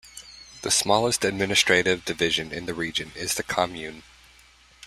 The smallest administrative division in the region is the commune.